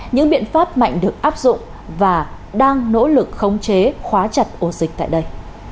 những biện pháp mạnh được áp dụng và đang nỗ lực khống chế khóa chặt ổ dịch tại đây